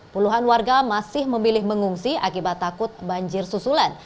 puluhan warga masih memilih mengungsi akibat takut banjir susulan